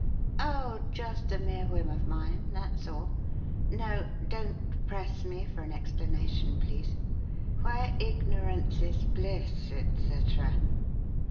"Oh, just a mere whim of mine, that's all. No don't press me for an explanation, please. 'Where ignorance is bliss,' et cetera.